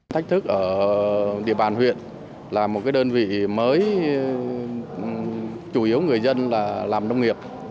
thách thức ở địa bàn huyện là một đơn vị mới chủ yếu người dân là làm nông nghiệp